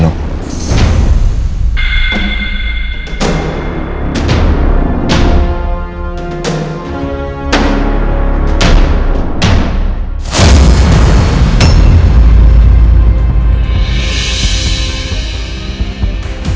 masuk ke dalam